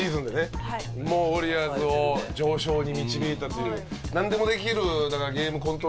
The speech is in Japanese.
もうウォリアーズを常勝に導いたという。